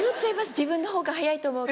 自分のほうが早いと思うから。